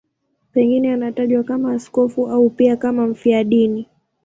Pengine anatajwa kama askofu au pia kama mfiadini.